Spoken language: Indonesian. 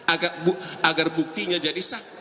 agar buktinya jadi sah